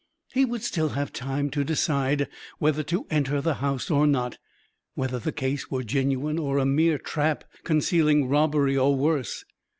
He would still have time to decide whether to enter the house or not whether the case were genuine or a mere trap concealing robbery or worse.